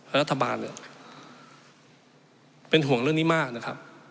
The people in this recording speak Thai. รัฐบาลเนี่ยเป็นห่วงเรื่องนี้มากนะครับ